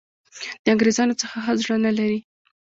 د انګرېزانو څخه ښه زړه نه لري.